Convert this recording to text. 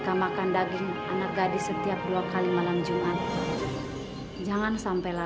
kalian boleh kembali ke tempat kalian masing masing